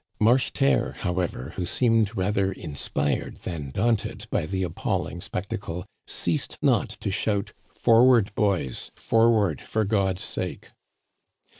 Marcheterre, however, who seemed rather inspired than daunted by the appalling spectacle, ceased not to shout :Forward boys ! forward, for God's sake